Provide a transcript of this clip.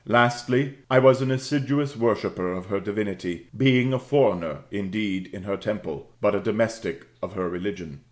Lastly, I was an assiduous worshipper of her divinity, being a foreigner indeed in her temple, but a domestic of her religion.'